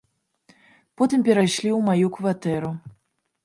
Потым перайшлі ў маю кватэру.